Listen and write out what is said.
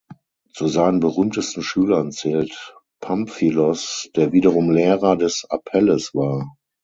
Zu seinen berühmtesten Schülern zählt Pamphilos, der wiederum Lehrer des Apelles war.